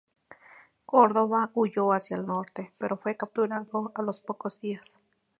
Córdoba huyó hacia el norte, pero fue capturado a los pocos días.